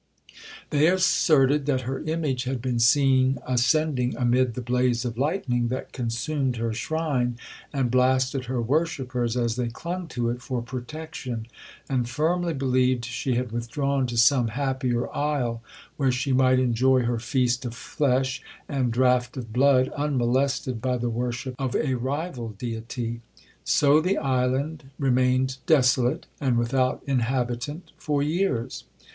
They asserted that her image had been seen ascending amid the blaze of lightning that consumed her shrine and blasted her worshippers as they clung to it for protection, and firmly believed she had withdrawn to some happier isle, where she might enjoy her feast of flesh, and draught of blood, unmolested by the worship of a rival deity. So the island remained desolate, and without inhabitant for years.